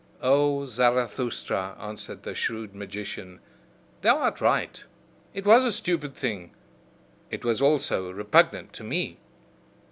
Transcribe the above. "O Zarathustra," answered the shrewd magician, "thou art right, it was a stupid thing, it was also repugnant to me."